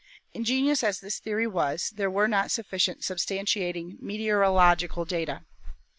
Ingenious as this theory was, there were not sufficient substantiating meteorological data.